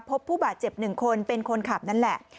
พบผู้บาดเจ็บ๑คนเป็นคนขับนั่นแหละ